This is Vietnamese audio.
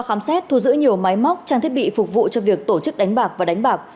khám xét thu giữ nhiều máy móc trang thiết bị phục vụ cho việc tổ chức đánh bạc và đánh bạc